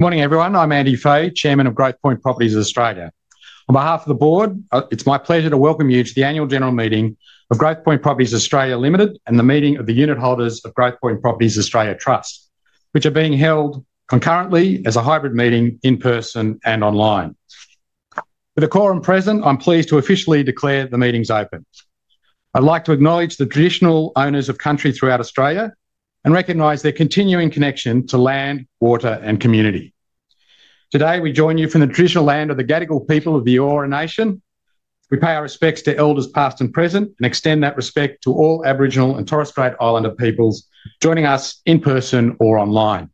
Good morning, everyone. I'm Andy Fay, Chairman of Growthpoint Properties Australia. On behalf of the board, it's my pleasure to welcome you to the Annual General Meeting of Growthpoint Properties Australia Limited and the meeting of the unit holders of Growthpoint Properties Australia Trust, which are being held concurrently as a hybrid meeting in person and online. With the quorum present, I'm pleased to officially declare the meetings open. I'd like to acknowledge the traditional owners of country throughout Australia and recognize their continuing connection to land, water, and community. Today, we join you from the traditional land of the Gadigal people of the Eora Nation. We pay our respects to elders past and present and extend that respect to all Aboriginal and Torres Strait Islander peoples joining us in person or online.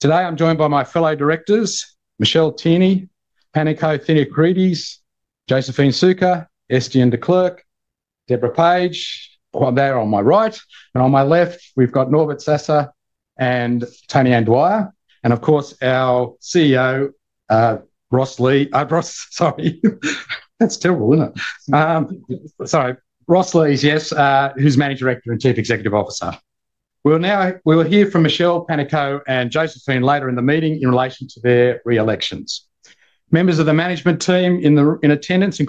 Today, I'm joined by my fellow directors, Michelle Teaney, Panayiotis Theochrides, Josephine Sukkar, Estienne de Klerk, Deborah Page, they're on my right. On my left, we've got Norbert Sasse, Tonianne Dwyer, and of course, our CEO, Ross Lees. Sorry, that's terrible, isn't it? Sorry, Ross Lees, yes, who's Managing Director and Chief Executive Officer. We will hear from Michelle, Panayiotis, and Josephine later in the meeting in relation to their reelections. Members of the management team in attendance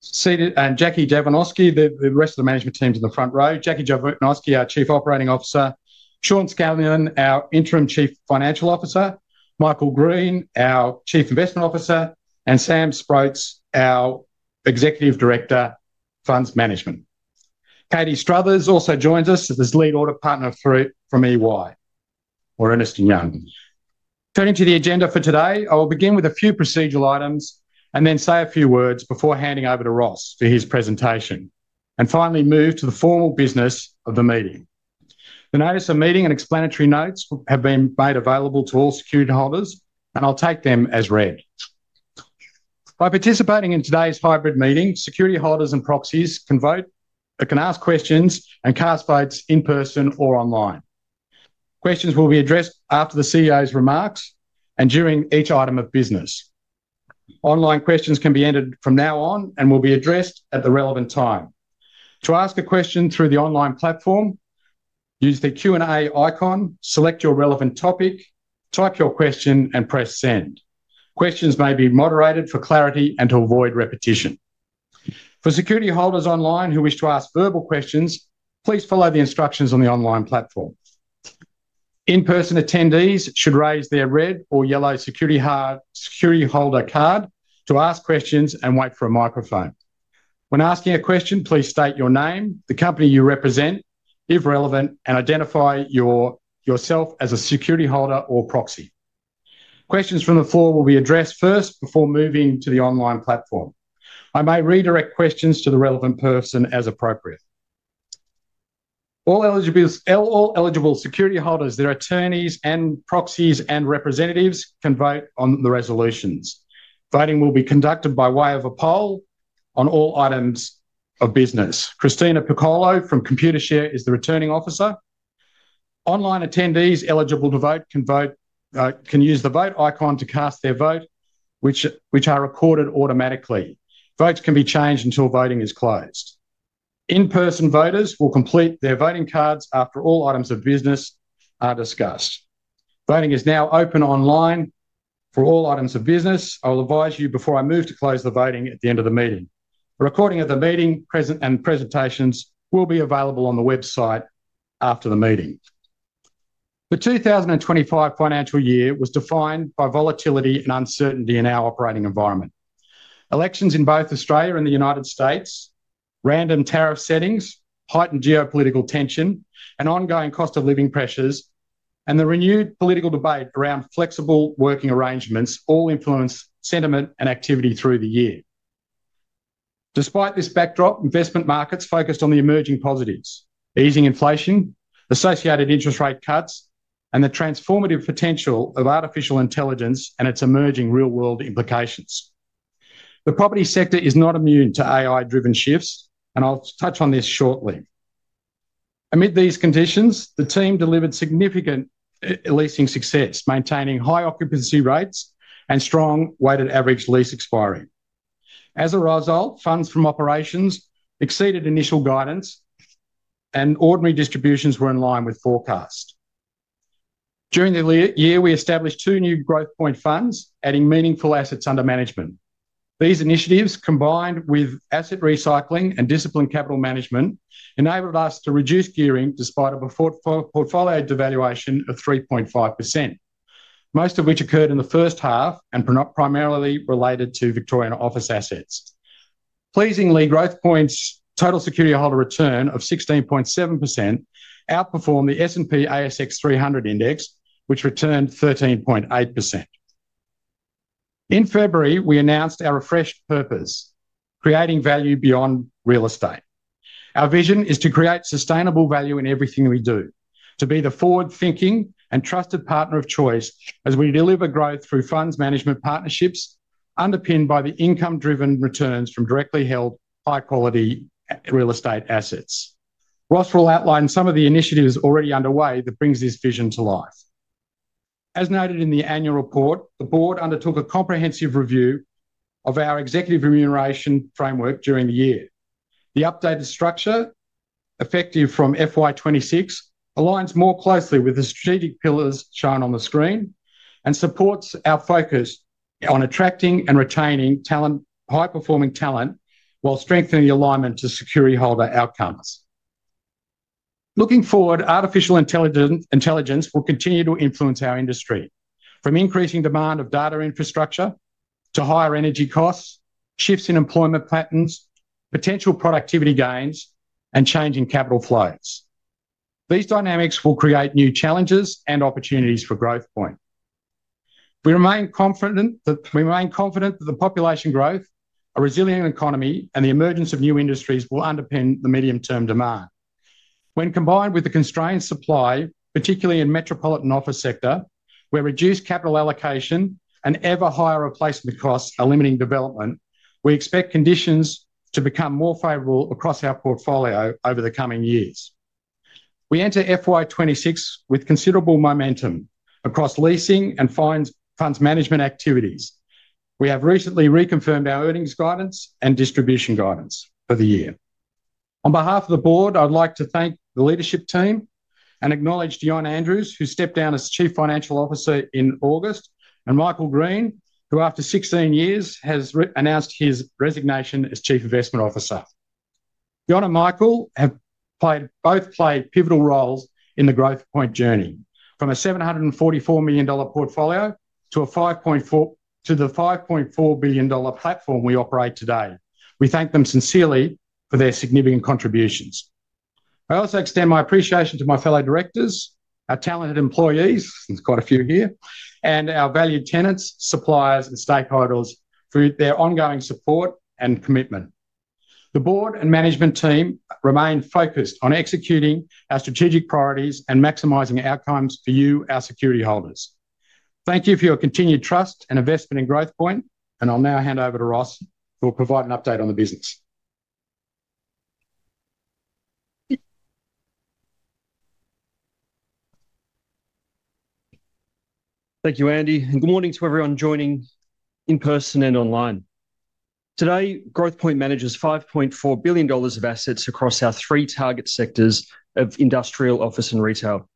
include Menelaos Frangoulis, our Company Secretary to my left, and Jacqueline Jovanovski, the rest of the management team's in the front row, Jacqueline Jovanovski, our Chief Operating Officer, Sean Scallion, our Interim Chief Financial Officer, Michael Green, our Chief Investment Officer, and Sam Sproats, our Executive Director, Funds Management. Katie Struthers also joins us as the lead audit partner from EY, or Ernst & Young. Turning to the agenda for today, I will begin with a few procedural items and then say a few words before handing over to Ross for his presentation, and finally move to the formal business of the meeting. The notice of meeting and explanatory notes have been made available to all security holders, and I'll take them as read. By participating in today's hybrid meeting, security holders and proxies can vote, can ask questions, and cast votes in person or online. Questions will be addressed after the CEO's remarks and during each item of business. Online questions can be entered from now on and will be addressed at the relevant time. To ask a question through the online platform, use the Q&A icon, select your relevant topic, type your question, and press send. Questions may be moderated for clarity and to avoid repetition. For security holders online who wish to ask verbal questions, please follow the instructions on the online platform. In-person attendees should raise their red or yellow security holder card to ask questions and wait for a microphone. When asking a question, please state your name, the company you represent, if relevant, and identify yourself as a security holder or proxy. Questions from the floor will be addressed first before moving to the online platform. I may redirect questions to the relevant person as appropriate. All eligible security holders, their attorneys, proxies, and representatives can vote on the resolutions. Voting will be conducted by way of a poll on all items of business. Christina Piccolo from Computershare is the returning officer. Online attendees eligible to vote can use the vote icon to cast their vote, which are recorded automatically. Votes can be changed until voting is closed. In-person voters will complete their voting cards after all items of business are discussed. Voting is now open online for all items of business. I will advise you before I move to close the voting at the end of the meeting. The recording of the meeting and presentations will be available on the website after the meeting. The 2025 financial year was defined by volatility and uncertainty in our operating environment. Elections in both Australia and the U.S., random tariff settings, heightened geopolitical tension, and ongoing cost of living pressures, and the renewed political debate around flexible working arrangements all influenced sentiment and activity through the year. Despite this backdrop, investment markets focused on the emerging positives: easing inflation, associated interest rate cuts, and the transformative potential of artificial intelligence and its emerging real-world implications. The property sector is not immune to AI-driven shifts, and I'll touch on this shortly. Amid these conditions, the team delivered significant leasing success, maintaining high occupancy rates and strong weighted average lease expiry. As a result, funds from operations exceeded initial guidance, and ordinary distributions were in line with forecast. During the year, we established two new Growthpoint funds, adding meaningful assets under management. These initiatives, combined with asset recycling and disciplined capital management, enabled us to reduce gearing despite a portfolio devaluation of 3.5%, most of which occurred in the first half and primarily related to Victorian office assets. Pleasingly, Growthpoint total security holder return of 16.7% outperformed the S&P ASX 300 index, which returned 13.8%. In February, we announced our refreshed purpose: creating value beyond real estate. Our vision is to create sustainable value in everything we do, to be the forward-thinking and trusted partner of choice as we deliver growth through funds management partnerships underpinned by the income-driven returns from directly held high-quality real estate assets. Ross will outline some of the initiatives already underway that bring this vision to life. As noted in the annual report, the board undertook a comprehensive review of our executive remuneration framework during the year. The updated structure, effective from FY26, aligns more closely with the strategic pillars shown on the screen and supports our focus on attracting and retaining high-performing talent while strengthening alignment to security holder outcomes. Looking forward, artificial intelligence will continue to influence our industry, from increasing demand of data infrastructure to higher energy costs, shifts in employment patterns, potential productivity gains, and changing capital flows. These dynamics will create new challenges and opportunities for Growthpoint. We remain confident that the population growth, a resilient economy, and the emergence of new industries will underpin the medium-term demand. When combined with the constrained supply, particularly in the metropolitan office sector, where reduced capital allocation and ever-higher replacement costs are limiting development, we expect conditions to become more favorable across our portfolio over the coming years. We enter FY26 with considerable momentum across leasing and funds management activities. We have recently reconfirmed our earnings guidance and distribution guidance for the year. On behalf of the board, I'd like to thank the leadership team and acknowledge Dion Andrews, who stepped down as Chief Financial Officer in August, and Michael Green, who after 16 years has announced his resignation as Chief Investment Officer. Dion and Michael have both played pivotal roles in the Growthpoint journey, from a 744 million dollar portfolio to the 5.4 billion dollar platform we operate today. We thank them sincerely for their significant contributions. I also extend my appreciation to my fellow directors, our talented employees, there's quite a few here, and our valued tenants, suppliers, and stakeholders for their ongoing support and commitment. The Board and management team remain focused on executing our strategic priorities and maximizing outcomes for you, our security holders. Thank you for your continued trust and investment in Growthpoint, and I'll now hand over to Ross who will provide an update on the business. Thank you, Andy. Good morning to everyone joining in person and online. Today, Growthpoint manages 5.4 billion dollars of assets across our three target sectors of industrial, office, and retail.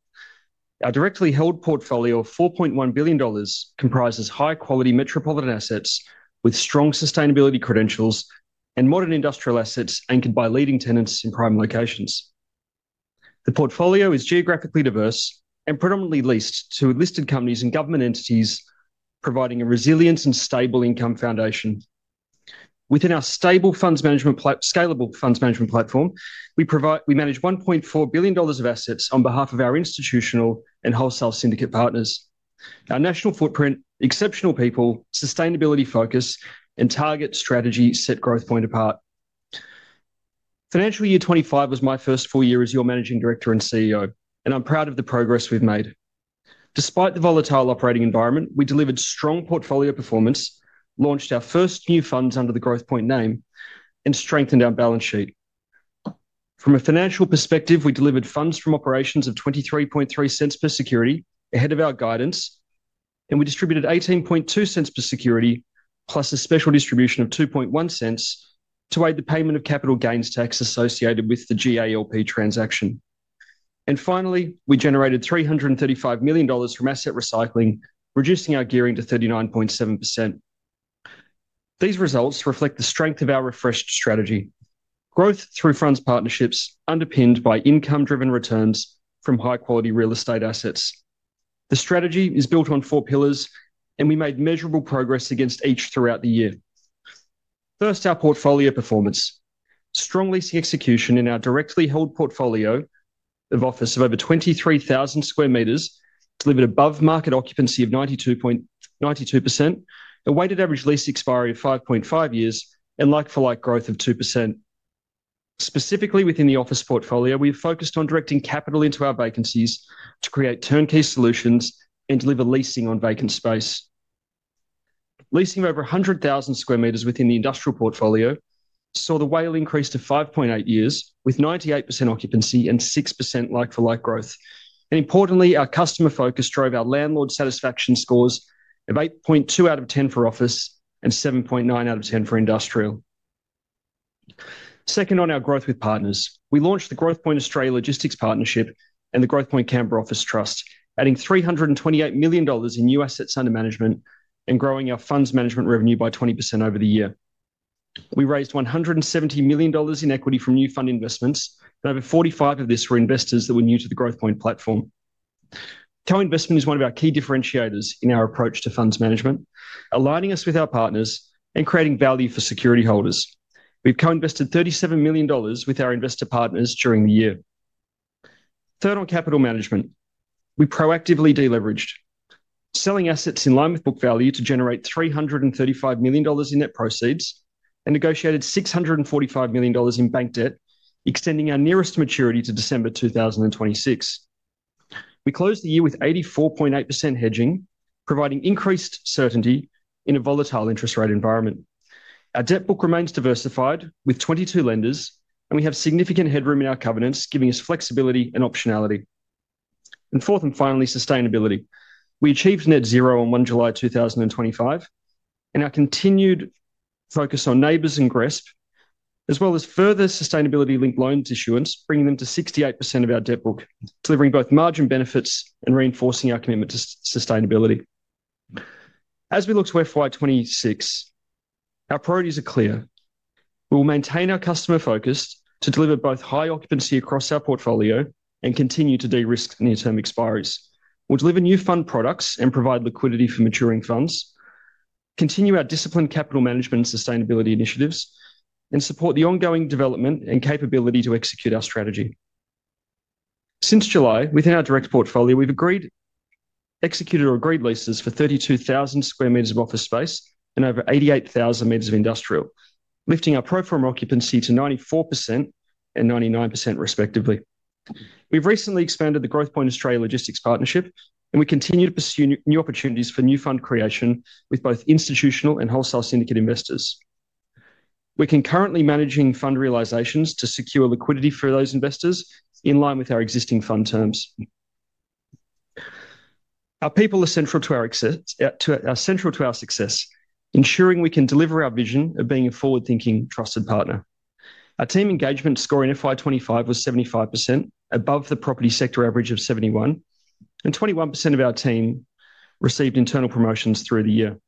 Our directly held portfolio of 4.1 billion dollars comprises high-quality metropolitan assets with strong sustainability credentials and modern industrial assets anchored by leading tenants in prime locations. The portfolio is geographically diverse and predominantly leased to listed companies and government entities, providing a resilient and stable income foundation. Within our stable, scalable funds management platform, we manage 1.4 billion dollars of assets on behalf of our institutional and wholesale syndicate partners. Our national footprint, exceptional people, sustainability focus, and target strategy set Growthpoint apart. Financial year 2025 was my first full year as your Managing Director and CEO, and I'm proud of the progress we've made. Despite the volatile operating environment, we delivered strong portfolio performance, launched our first new funds under the Growthpoint name, and strengthened our balance sheet. From a financial perspective, we delivered funds from operations of 0.233 per security ahead of our guidance, and we distributed 0.182 per security, plus a special distribution of 0.021 to aid the payment of capital gains tax associated with the GALP transaction. Finally, we generated 335 million dollars from asset recycling, reducing our gearing to 39.7%. These results reflect the strength of our refreshed strategy: growth through funds partnerships underpinned by income-driven returns from high-quality real estate assets. The strategy is built on four pillars, and we made measurable progress against each throughout the year. First, our portfolio performance: strong leasing execution in our directly held portfolio of office of over 23,000 sq m, delivered above market occupancy of 92.92%, a weighted average lease expiry of 5.5 years, and like-for-like growth of 2%. Specifically, within the office portfolio, we have focused on directing capital into our vacancies to create turnkey solutions and deliver leasing on vacant space. Leasing of over 100,000 sq m within the industrial portfolio saw the WALE increase to 5.8 years with 98% occupancy and 6% like-for-like growth. Importantly, our customer focus drove our landlord satisfaction scores of 8.2 out of 10 for office and 7.9 out of 10 for industrial. Second, on our growth with partners, we launched the Growthpoint Australia Logistics Partnership and the Growthpoint Canberra Office Trust, adding 328 million dollars in new assets under management and growing our funds management revenue by 20% over the year. We raised 170 million dollars in equity from new fund investments, and over 45% of this were investors that were new to the Growthpoint platform. Co-investment is one of our key differentiators in our approach to funds management, aligning us with our partners and creating value for security holders. We've co-invested 37 million dollars with our investor partners during the year. Third on capital management, we proactively deleveraged, selling assets in line with book value to generate 335 million dollars in net proceeds and negotiated 645 million dollars in bank debt, extending our nearest maturity to December 2026. We closed the year with 84.8% hedging, providing increased certainty in a volatile interest rate environment. Our debt book remains diversified with 22 lenders, and we have significant headroom in our covenants, giving us flexibility and optionality. Fourth and finally, sustainability. We achieved net zero on 1 July 2025, and our continued focus on NABERS and GRESB, as well as further sustainability-linked loan issuance, bringing them to 68% of our debt book, delivering both margin benefits and reinforcing our commitment to sustainability. As we look to FY26, our priorities are clear. We will maintain our customer focus to deliver both high occupancy across our portfolio and continue to de-risk near-term expires. We'll deliver new fund products and provide liquidity for maturing funds, continue our disciplined capital management and sustainability initiatives, and support the ongoing development and capability to execute our strategy. Since July, within our direct portfolio, we've executed or agreed leases for 32,000 sq m of office space and over 88,000 sq m of industrial, lifting our pro forma occupancy to 94% and 99%, respectively. We've recently expanded the Growthpoint Australia Logistics Partnership, and we continue to pursue new opportunities for new fund creation with both institutional and wholesale syndicate investors. We're concurrently managing fund realizations to secure liquidity for those investors in line with our existing fund terms. Our people are central to our success, ensuring we can deliver our vision of being a forward-thinking, trusted partner. Our team engagement score in FY25 was 75%, above the property sector average of 71%, and 21% of our team received internal promotions through the year.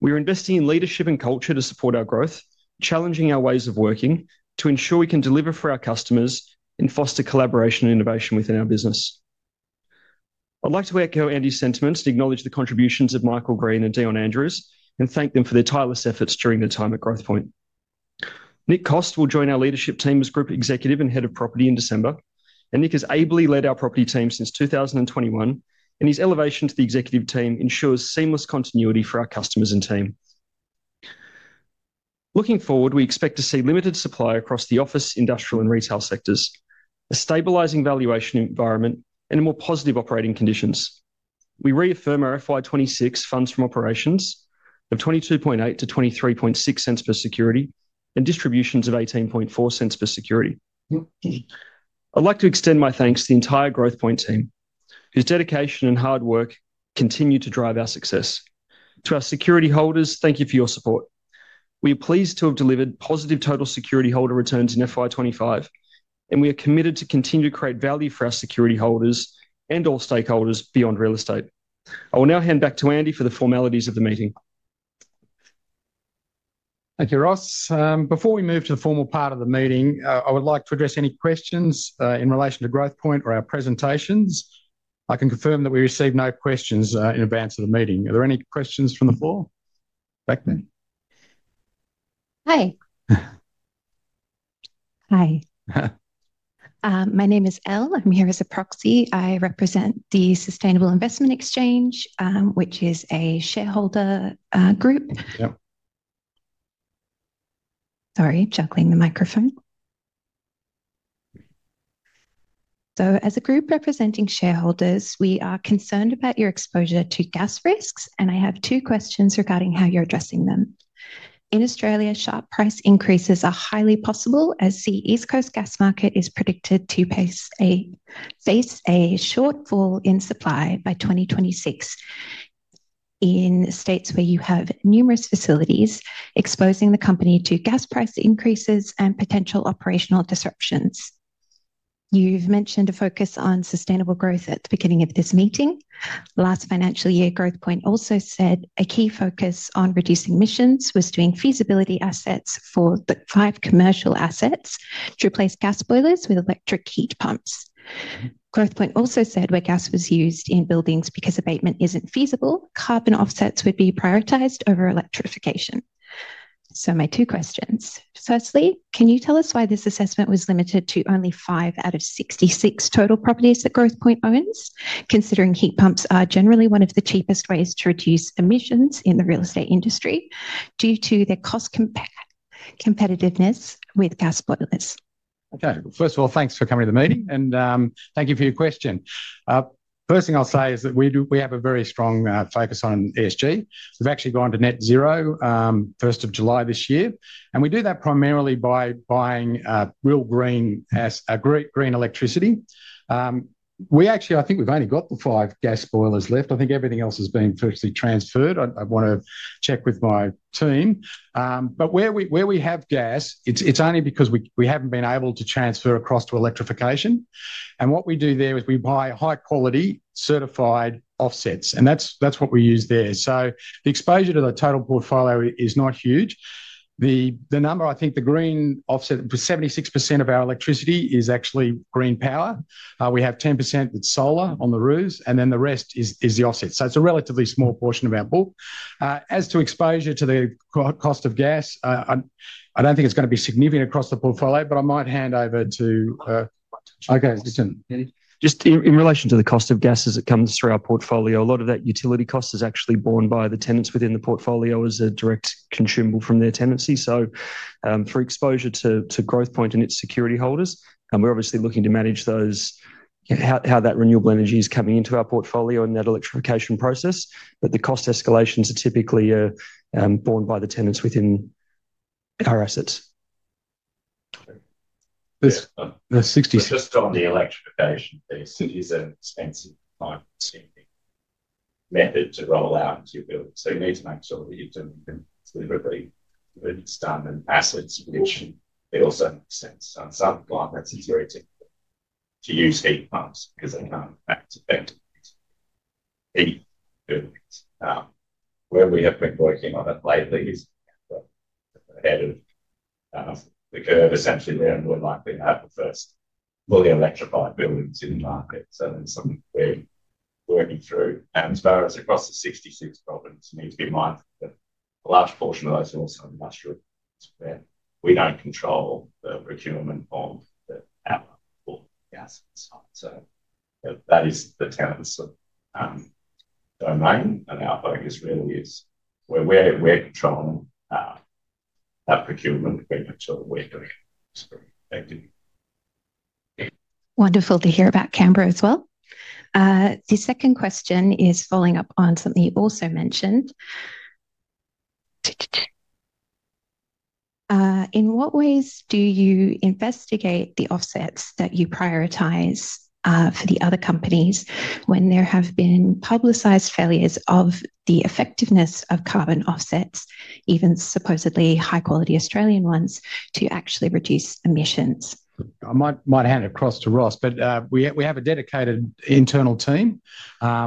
We are investing in leadership and culture to support our growth, challenging our ways of working to ensure we can deliver for our customers and foster collaboration and innovation within our business. I'd like to echo Andy's sentiments and acknowledge the contributions of Michael Green and Dion Andrews, and thank them for their tireless efforts during their time at Growthpoint. Nick Cost will join our leadership team as Group Executive and Head of Property in December, and Nick has ably led our property team since 2021, and his elevation to the executive team ensures seamless continuity for our customers and team. Looking forward, we expect to see limited supply across the office, industrial, and retail sectors, a stabilizing valuation environment, and more positive operating conditions. We reaffirm our FY26 funds from operations of 0.228-0.236 per security and distributions of 0.184 per security. I'd like to extend my thanks to the entire Growthpoint team, whose dedication and hard work continue to drive our success. To our security holders, thank you for your support. We are pleased to have delivered positive total security holder returns in FY25, and we are committed to continue to create value for our security holders and all stakeholders beyond real estate. I will now hand back to Andy for the formalities of the meeting. Thank you, Ross. Before we move to the formal part of the meeting, I would like to address any questions in relation to Growthpoint or our presentations. I can confirm that we received no questions in advance of the meeting. Are there any questions from the floor? Back then. Hi. Hi. My name is Elle. I'm here as a proxy. I represent the Sustainable Investment Exchange, which is a shareholder group. Sorry, juggling the microphone. As a group representing shareholders, we are concerned about your exposure to gas risks, and I have two questions regarding how you're addressing them. In Australia, sharp price increases are highly possible, as the East Coast gas market is predicted to face a shortfall in supply by 2026. In states where you have numerous facilities, exposing the company to gas price increases and potential operational disruptions. You've mentioned a focus on sustainable growth at the beginning of this meeting. Last financial year, Growthpoint also said a key focus on reducing emissions was doing feasibility assets for the five commercial assets to replace gas boilers with electric heat pumps. Growthpoint also said where gas was used in buildings because abatement is not feasible, carbon offsets would be prioritized over electrification. My two questions. Firstly, can you tell us why this assessment was limited to only five out of 66 total properties that Growthpoint owns, considering heat pumps are generally one of the cheapest ways to reduce emissions in the real estate industry due to their cost competitiveness with gas boilers? Okay. First of all, thanks for coming to the meeting, and thank you for your question. First thing I'll say is that we have a very strong focus on ESG. We've actually gone to net zero 1 July this year, and we do that primarily by buying real green electricity. We actually, I think we've only got the five gas boilers left. I think everything else has been virtually transferred. I want to check with my team. Where we have gas, it's only because we haven't been able to transfer across to electrification. What we do there is we buy high-quality certified offsets, and that's what we use there. The exposure to the total portfolio is not huge. The number, I think the green offset, 76% of our electricity is actually green power. We have 10% that's solar on the roofs, and the rest is the offsets. It's a relatively small portion of our book. As to exposure to the cost of gas, I don't think it's going to be significant across the portfolio, but I might hand over to Okay, listen. Just in relation to the cost of gas as it comes through our portfolio, a lot of that utility cost is actually borne by the tenants within the portfolio as a direct consumable from their tenancy. For exposure to Growthpoint and its security holders, we're obviously looking to manage those, how that renewable energy is coming into our portfolio and that electrification process, but the cost escalations are typically borne by the tenants within our assets. Just on the electrification piece, it is an expensive time-consuming method to roll out into your building. You need to make sure that you've delivered the assets, which it also makes sense. On some clients, it's very difficult to use heat pumps because they can't effectively heat buildings. Where we have been working on it lately is ahead of the curve, essentially, and we're likely to have the first fully electrified buildings in the market. There is some working through. As far as across the 66 problems, we need to be mindful that a large portion of those are also industrial companies where we don't control the procurement of the power or gas inside. That is the tenants' domain, and our focus really is where we're controlling that procurement, we make sure we're doing it very effectively. Wonderful to hear about Canberra as well. The second question is following up on something you also mentioned. In what ways do you investigate the offsets that you prioritize for the other companies when there have been publicized failures of the effectiveness of carbon offsets, even supposedly high-quality Australian ones, to actually reduce emissions? I might hand it across to Ross, but we have a dedicated internal team.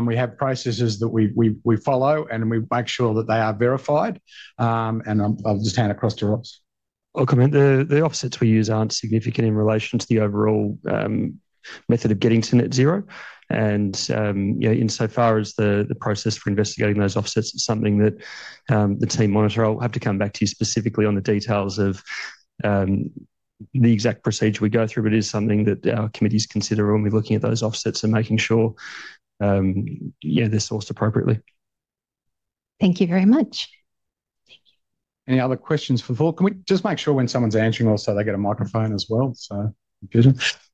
We have processes that we follow, and we make sure that they are verified. I'll just hand it across to Ross. The offsets we use aren't significant in relation to the overall method of getting to net zero. Insofar as the process for investigating those offsets is something that the team monitor, I'll have to come back to you specifically on the details of the exact procedure we go through, but it is something that our committees consider when we're looking at those offsets and making sure they're sourced appropriately. Thank you very much. Thank you. Any other questions for the floor? Can we just make sure when someone's answering also, they get a microphone as well?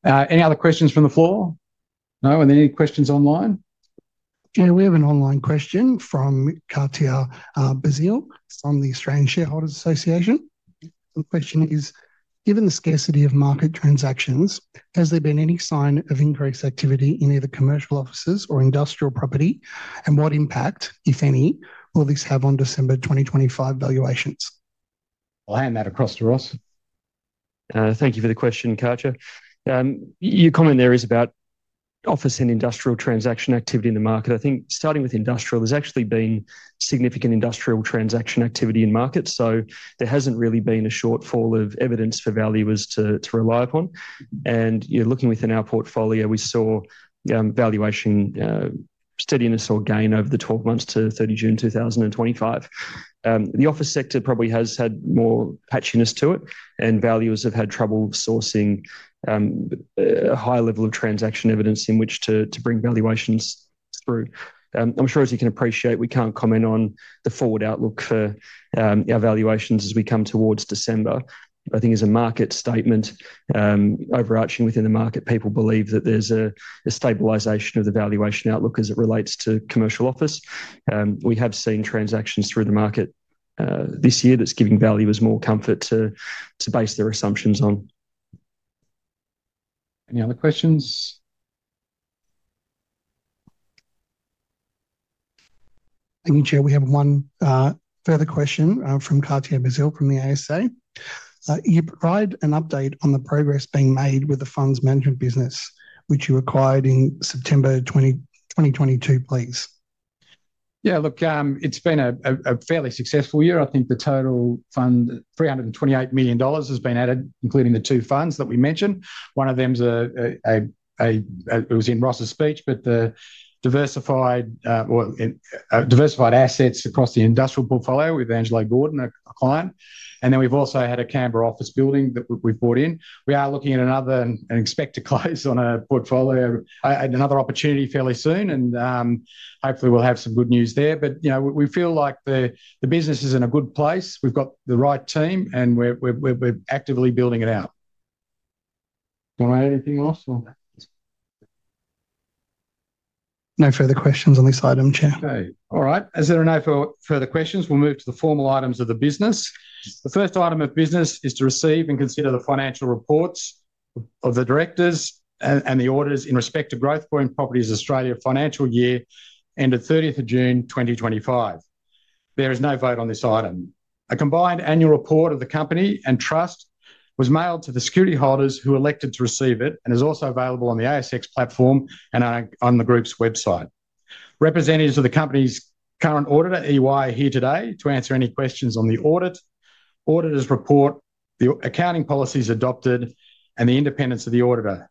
Any other questions from the floor? No? Are there any questions online? Yeah, we have an online question from Cartier Bazile from the Australian Shareholders Association. The question is, given the scarcity of market transactions, has there been any sign of increased activity in either commercial offices or industrial property, and what impact, if any, will this have on December 2025 valuations? I'll hand that across to Ross. Thank you for the question, Cartier. Your comment there is about office and industrial transaction activity in the market. I think starting with industrial, there's actually been significant industrial transaction activity in markets. There hasn't really been a shortfall of evidence for valuers to rely upon. Looking within our portfolio, we saw valuation steadiness or gain over the 12 months to 30 June 2025. The office sector probably has had more patchiness to it, and valuers have had trouble sourcing a higher level of transaction evidence in which to bring valuations through. I'm sure, as you can appreciate, we can't comment on the forward outlook for our valuations as we come towards December. I think as a market statement, overarching within the market, people believe that there's a stabilization of the valuation outlook as it relates to commercial office. We have seen transactions through the market this year that's giving valuers more comfort to base their assumptions on. Any other questions? Thank you, Chair. We have one further question from Cartier Bazile from the ASA. You provide an update on the progress being made with the funds management business, which you acquired in September 2022, please. Yeah, look, it's been a fairly successful year. I think the total fund, 328 million dollars, has been added, including the two funds that we mentioned. One of them was in Ross's speech, but the diversified assets across the industrial portfolio with Angelo Gordon, a client. Then we've also had a Canberra office building that we've bought in. We are looking at another and expect to close on a portfolio, another opportunity fairly soon, and hopefully we'll have some good news there. We feel like the business is in a good place. We've got the right team, and we're actively building it out. Do you want to add anything else, or? No further questions on this item, Chair. Okay. All right. As there are no further questions, we'll move to the formal items of the business. The first item of business is to receive and consider the financial reports of the directors and the auditors in respect to Growthpoint Properties Australia's financial year ended 30 June 2025. There is no vote on this item. A combined annual report of the company and trust was mailed to the security holders who elected to receive it and is also available on the ASX platform and on the group's website. Representatives of the company's current auditor, EY, are here today to answer any questions on the audit, auditor's report, the accounting policies adopted, and the independence of the auditor.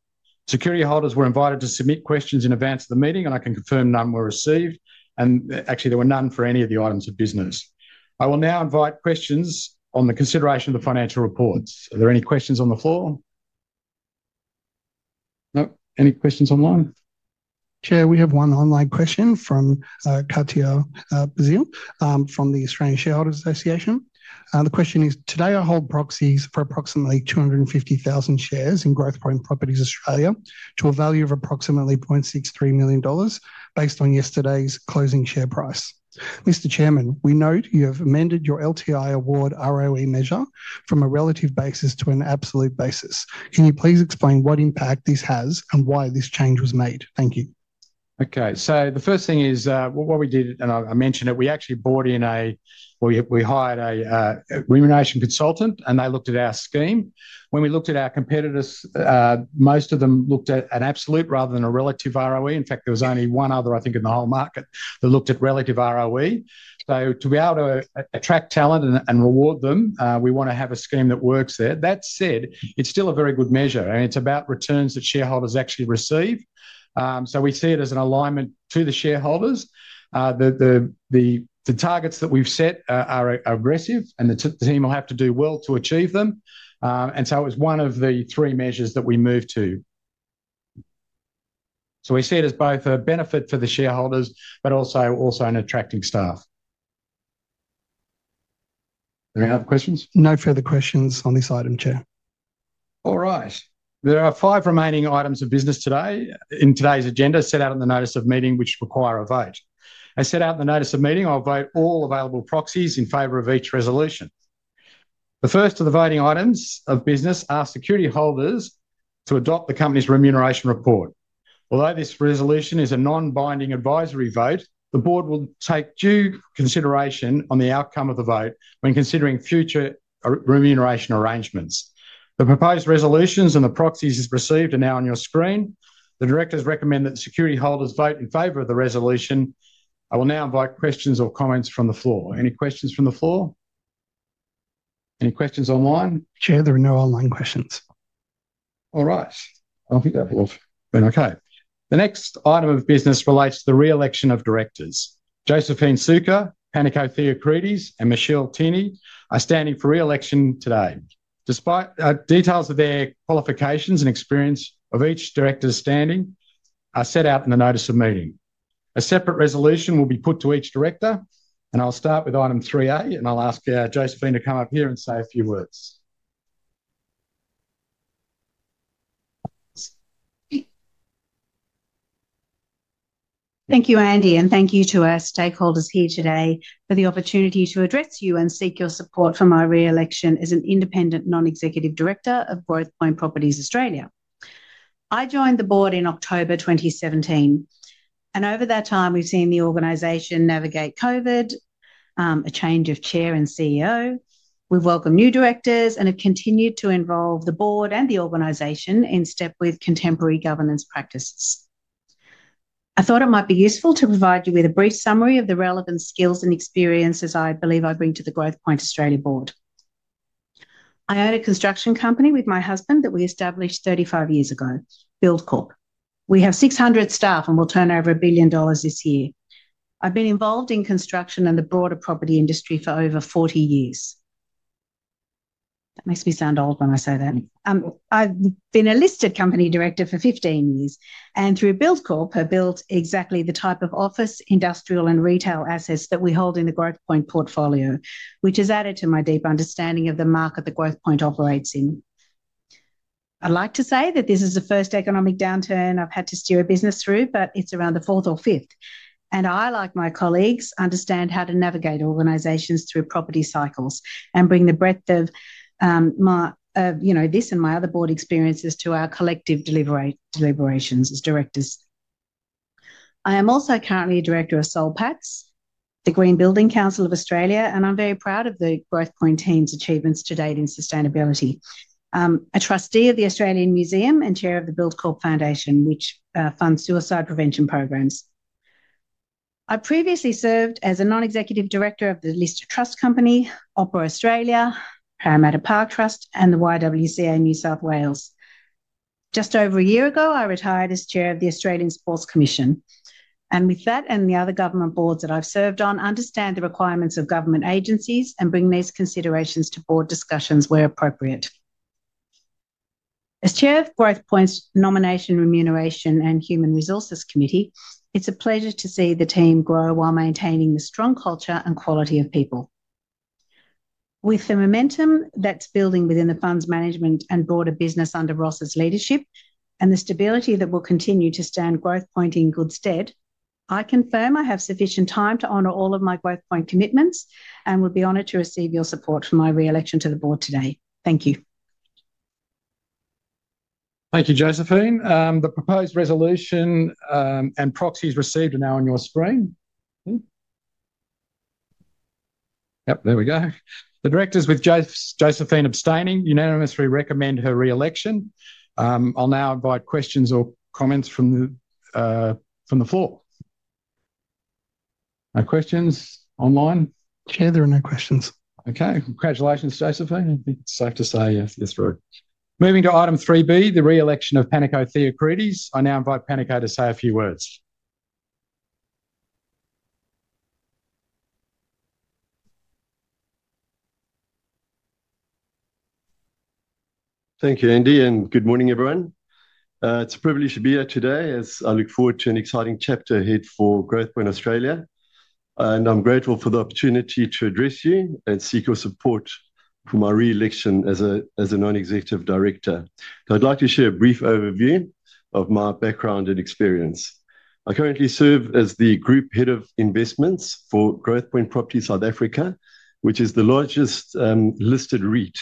Security holders were invited to submit questions in advance of the meeting, and I can confirm none were received. Actually, there were none for any of the items of business. I will now invite questions on the consideration of the financial reports. Are there any questions on the floor? No? Any questions online? Chair, we have one online question from Cartier Bazile from the Australian Shareholders Association. The question is, today I hold proxies for approximately 250,000 shares in Growthpoint Properties Australia to a value of approximately 0.63 million dollars based on yesterday's closing share price. Mr. Chairman, we note you have amended your LTI award ROE measure from a relative basis to an absolute basis. Can you please explain what impact this has and why this change was made? Thank you. Okay. The first thing is what we did, and I mentioned it, we actually brought in a, you know, we hired a remuneration consultant, and they looked at our scheme. When we looked at our competitors, most of them looked at an absolute rather than a relative ROE. In fact, there was only one other, I think, in the whole market that looked at relative ROE. To be able to attract talent and reward them, we want to have a scheme that works there. That said, it's still a very good measure, and it's about returns that shareholders actually receive. We see it as an alignment to the shareholders. The targets that we've set are aggressive, and the team will have to do well to achieve them. It was one of the three measures that we moved to. We see it as both a benefit for the shareholders, but also an attracting staff. Any other questions? No further questions on this item, Chair. All right. There are five remaining items of business today in today's agenda set out in the notice of meeting, which require a vote. As set out in the notice of meeting, I'll vote all available proxies in favor of each resolution. The first of the voting items of business are security holders to adopt the company's remuneration report. Although this resolution is a non-binding advisory vote, the board will take due consideration on the outcome of the vote when considering future remuneration arrangements. The proposed resolutions and the proxies received are now on your screen. The directors recommend that security holders vote in favor of the resolution. I will now invite questions or comments from the floor. Any questions from the floor? Any questions online? Chair, there are no online questions. All right. I think that was okay. The next item of business relates to the re-election of directors. Josephine Sukkar, Panayiotis Theochrides, and Michelle Tierney are standing for re-election today. Details of their qualifications and experience of each director's standing are set out in the notice of meeting. A separate resolution will be put to each director, and I'll start with item 3A, and I'll ask Josephine to come up here and say a few words. Thank you, Andy, and thank you to our stakeholders here today for the opportunity to address you and seek your support for my re-election as an independent non-executive director of Growthpoint Properties Australia. I joined the board in October 2017, and over that time, we've seen the organization navigate COVID, a change of chair and CEO, we've welcomed new directors, and have continued to involve the board and the organization in step with contemporary governance practices. I thought it might be useful to provide you with a brief summary of the relevant skills and experiences I believe I bring to the Growthpoint Australia board. I own a construction company with my husband that we established 35 years ago, BuildCorp. We have 600 staff and will turn over a billion dollars this year. I've been involved in construction and the broader property industry for over 40 years. That makes me sound old when I say that. I've been a listed company director for 15 years, and through BuildCorp, I built exactly the type of office, industrial, and retail assets that we hold in the Growthpoint portfolio, which has added to my deep understanding of the market that Growthpoint operates in. I'd like to say that this is the first economic downturn I've had to steer a business through, but it's around the fourth or fifth. I, like my colleagues, understand how to navigate organizations through property cycles and bring the breadth of this and my other board experiences to our collective deliberations as directors. I am also currently a director of Solpaks, the Green Building Council of Australia, and I'm very proud of the Growthpoint team's achievements to date in sustainability. A trustee of the Australian Museum and chair of the BuildCorp Foundation, which funds suicide prevention programs. I previously served as a non-executive director of the Lister Trust Company, Opera Australia, Parramatta Park Trust, and the YWCA New South Wales. Just over a year ago, I retired as chair of the Australian Sports Commission. With that and the other government boards that I've served on, I understand the requirements of government agencies and bring these considerations to board discussions where appropriate. As chair of Growthpoint's Nomination, Remuneration, and Human Resources Committee, it's a pleasure to see the team grow while maintaining the strong culture and quality of people. With the momentum that's building within the funds management and broader business under Ross's leadership, and the stability that will continue to stand Growthpoint in good stead, I confirm I have sufficient time to honor all of my Growthpoint commitments and will be honored to receive your support for my re-election to the board today. Thank you. Thank you, Josephine. The proposed resolution and proxies received are now on your screen. Yep, there we go. The directors, with Josephine abstaining, unanimously recommend her re-election. I'll now invite questions or comments from the floor. No questions online? Chair, there are no questions. Okay. Congratulations, Josephine. It's safe to say yes through. Moving to item 3B, the re-election of Panayiotis Theochrides. I now invite Panayiotis to say a few words. Thank you, Andy, and good morning, everyone. It's a privilege to be here today as I look forward to an exciting chapter ahead for Growthpoint Properties Australia. I'm grateful for the opportunity to address you and seek your support for my re-election as a Non-Executive Director. I'd like to share a brief overview of my background and experience. I currently serve as the Group Head of Investments for Growthpoint Properties South Africa, which is the largest listed REIT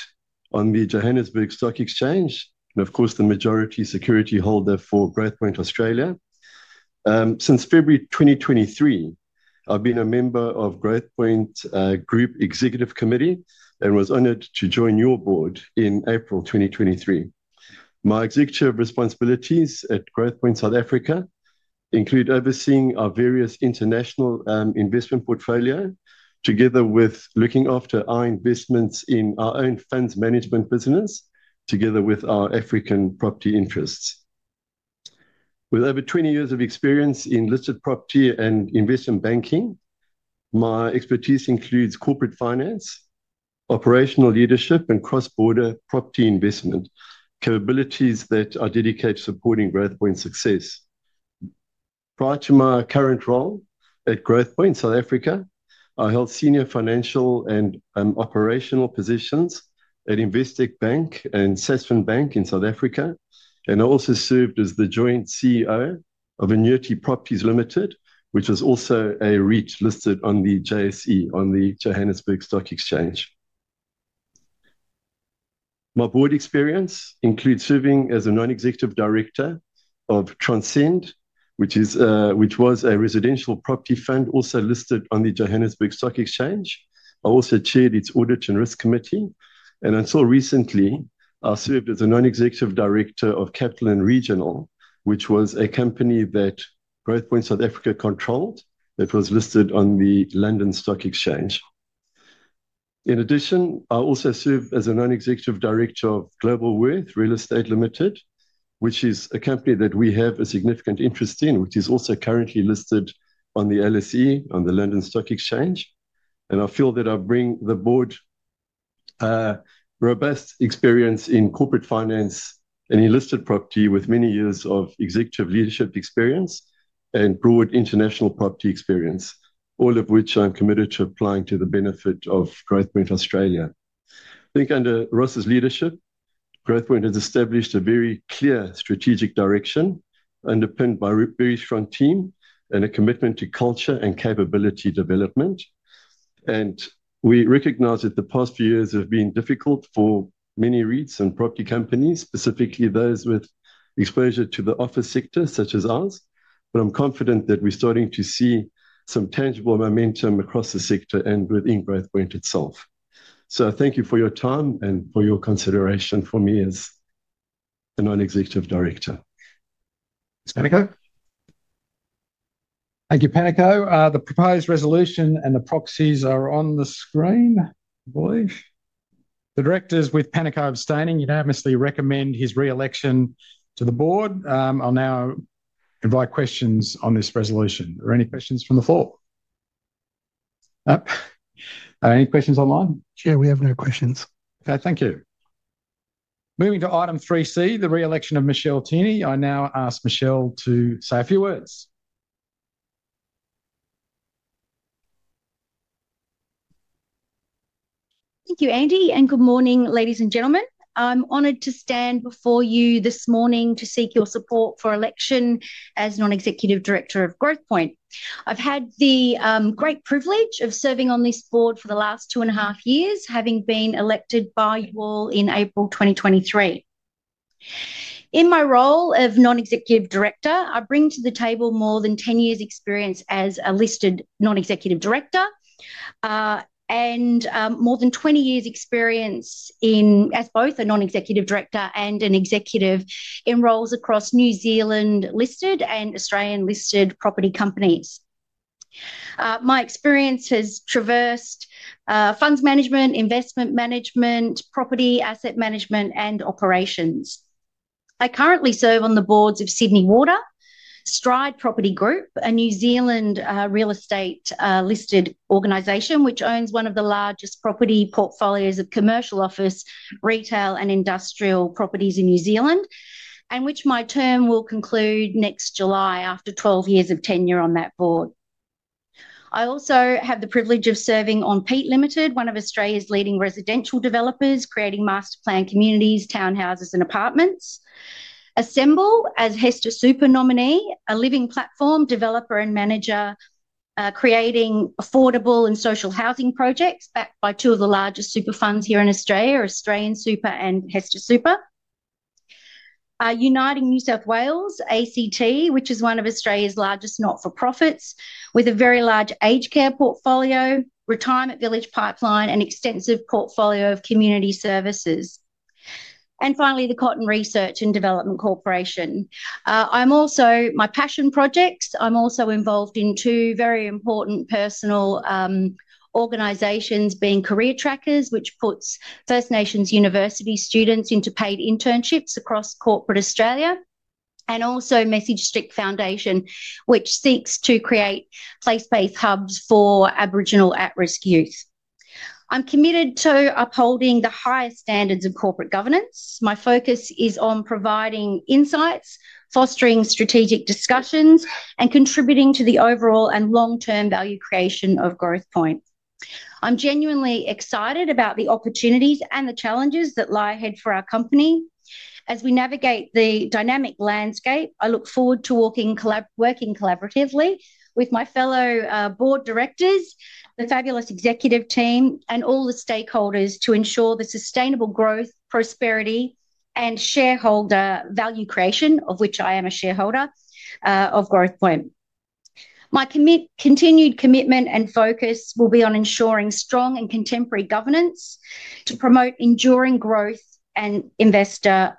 on the Johannesburg Stock Exchange and, of course, the majority security holder for Growthpoint Properties Australia. Since February 2023, I've been a member of Growthpoint Group Executive Committee and was honored to join your board in April 2023. My executive responsibilities at Growthpoint Properties South Africa include overseeing our various international investment portfolio together with looking after our investments in our own funds management business together with our African property interests. With over 20 years of experience in listed property and investment banking, my expertise includes corporate finance, operational leadership, and cross-border property investment capabilities that I dedicate to supporting Growthpoint's success. Prior to my current role at Growthpoint South Africa, I held senior financial and operational positions at Investec Bank and Sasfin Bank in South Africa, and I also served as the joint CEO of Inuity Properties Limited, which was also a REIT listed on the JSE, on the Johannesburg Stock Exchange. My board experience includes serving as a non-executive director of Transcend, which was a residential property fund also listed on the Johannesburg Stock Exchange. I also chaired its audit and risk committee. Until recently, I served as a non-executive director of Capital & Regional, which was a company that Growthpoint South Africa controlled that was listed on the London Stock Exchange. In addition, I also served as a non-executive director of GlobalWealth Real Estate Limited, which is a company that we have a significant interest in, which is also currently listed on the LSE, on the London Stock Exchange. I feel that I bring the board robust experience in corporate finance and in listed property with many years of executive leadership experience and broad international property experience, all of which I'm committed to applying to the benefit of Growthpoint Australia. I think under Ross's leadership, Growthpoint has established a very clear strategic direction underpinned by a very strong team and a commitment to culture and capability development. We recognize that the past few years have been difficult for many REITs and property companies, specifically those with exposure to the office sector such as ours. I'm confident that we're starting to see some tangible momentum across the sector and within Growthpoint itself. Thank you for your time and for your consideration for me as a non-executive director. Thanks, Panayiotis. Thank you, Panayiotis. The proposed resolution and the proxies are on the screen, I believe. The directors with Panayiotis abstaining. You can obviously recommend his re-election to the board. I'll now invite questions on this resolution. Are there any questions from the floor? Any questions online? Chair, we have no questions. Okay, thank you. Moving to item 3C, the re-election of Michelle Tierney. I now ask Michelle to say a few words. Thank you, Andy, and good morning, ladies and gentlemen. I'm honored to stand before you this morning to seek your support for election as non-executive director of Growthpoint. I've had the great privilege of serving on this board for the last two and a half years, having been elected by you all in April 2023. In my role of Non-Executive Director, I bring to the table more than 10 years' experience as a listed Non-Executive Director and more than 20 years' experience as both a Non-Executive Director and an executive in roles across New Zealand-listed and Australian-listed property companies. My experience has traversed funds management, investment management, property asset management, and operations. I currently serve on the boards of Sydney Water, Stride Property Group, a New Zealand real estate-listed organization which owns one of the largest property portfolios of commercial office, retail, and industrial properties in New Zealand, and which my term will conclude next July after 12 years of tenure on that board. I also have the privilege of serving on Peet Limited, one of Australia's leading residential developers, creating master plan communities, townhouses, and apartments. Assemble as HESTA Super nominee, a living platform developer and manager creating affordable and social housing projects backed by two of the largest super funds here in Australia, Australian Super and HESTA Super. Uniting New South Wales ACT, which is one of Australia's largest not-for-profits, with a very large aged care portfolio, retirement village pipeline, and extensive portfolio of community services. Finally, the Cotton Research and Development Corporation. My passion projects, I'm also involved in two very important personal organizations being Career Trackers, which puts First Nations university students into paid internships across corporate Australia, and also Message Stick Foundation, which seeks to create place-based hubs for Aboriginal at-risk youth. I'm committed to upholding the highest standards of corporate governance. My focus is on providing insights, fostering strategic discussions, and contributing to the overall and long-term value creation of Growthpoint. I'm genuinely excited about the opportunities and the challenges that lie ahead for our company. As we navigate the dynamic landscape, I look forward to working collaboratively with my fellow board directors, the fabulous executive team, and all the stakeholders to ensure the sustainable growth, prosperity, and shareholder value creation, of which I am a shareholder, of Growthpoint. My continued commitment and focus will be on ensuring strong and contemporary governance to promote enduring growth and investor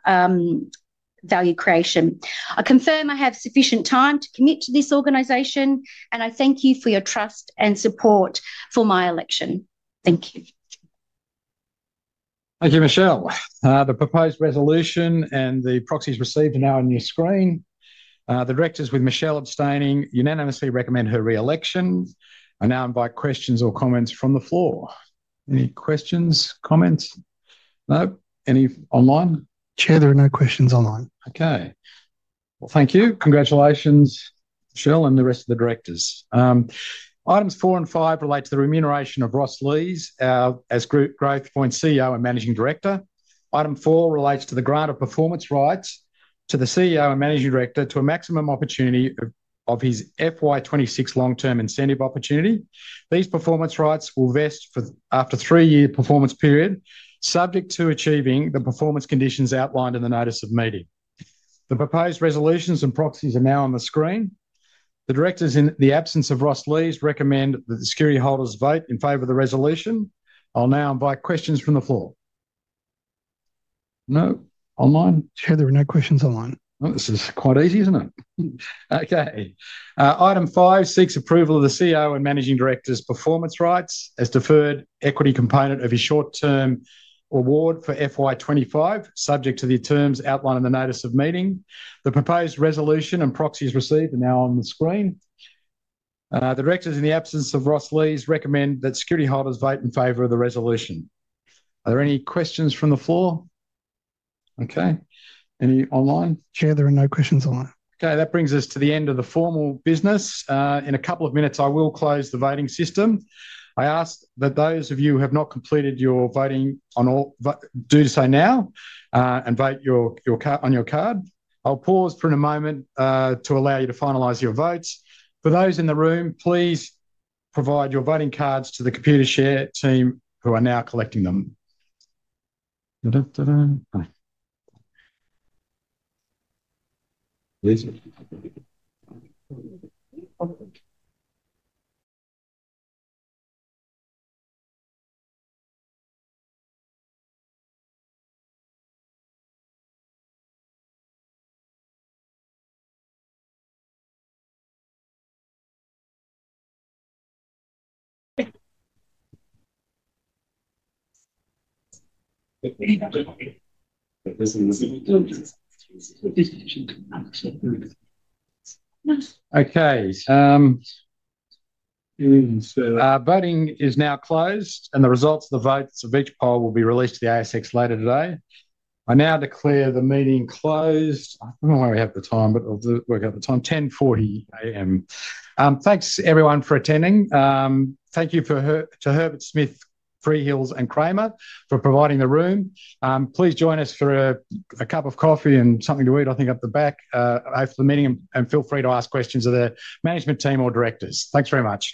value creation. I confirm I have sufficient time to commit to this organization, and I thank you for your trust and support for my election. Thank you. Thank you, Michelle. The proposed resolution and the proxies received are now on your screen. The directors, with Michelle abstaining, unanimously recommend her re-election. I now invite questions or comments from the floor. Any questions, comments? No? Any online? Chair, there are no questions online. Okay. Thank you. Congratulations, Michelle, and the rest of the directors. Items four and five relate to the remuneration of Ross Lees as Group Growthpoint CEO and Managing Director. Item four relates to the grant of performance rights to the CEO and Managing Director to a maximum opportunity of his FY26 long-term incentive opportunity. These performance rights will vest after a three-year performance period, subject to achieving the performance conditions outlined in the notice of meeting. The proposed resolutions and proxies are now on the screen. The directors, in the absence of Ross Lees, recommend that the security holders vote in favor of the resolution. I'll now invite questions from the floor. No? Online? Chair, there are no questions online. This is quite easy, isn't it? Okay. Item five seeks approval of the CEO and Managing Director's performance rights as deferred equity component of his short-term award for FY25, subject to the terms outlined in the notice of meeting. The proposed resolution and proxies received are now on the screen. The directors, in the absence of Ross Lees, recommend that security holders vote in favor of the resolution. Are there any questions from the floor? Okay. Any online? Chair, there are no questions online. Okay. That brings us to the end of the formal business. In a couple of minutes, I will close the voting system. I ask that those of you who have not completed your voting do so now and vote on your card. I'll pause for a moment to allow you to finalize your votes. For those in the room, please provide your voting cards to the Computershare team who are now collecting them. Okay. Voting is now closed, and the results of the votes of each poll will be released to the ASX later today. I now declare the meeting closed. I don't know why we have the time, but I'll work out the time. 10:40 A.M. Thanks, everyone, for attending. Thank you to Herbert Smith Freehills and Kramer for providing the room. Please join us for a cup of coffee and something to eat, I think, at the back after the meeting, and feel free to ask questions of the management team or directors. Thanks very much.